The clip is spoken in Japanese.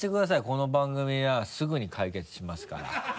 この番組はすぐに解決しますから。